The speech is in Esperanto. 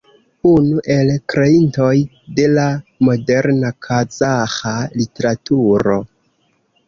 Unu el kreintoj de la moderna kazaĥa literaturo.